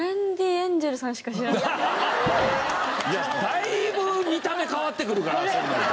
だいぶ見た目変わってくるからそうなると。